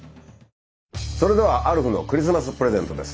それでは「アルフのクリスマスプレゼント」です。